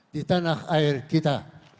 di tanah air kita